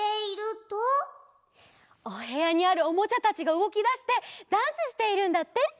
おへやにあるおもちゃたちがうごきだしてダンスしているんだって！